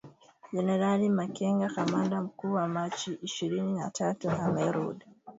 Jenerali Makenga kamanda mkuu wa Machi ishirni na tatu amerudi